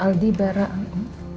aldi barah anggarah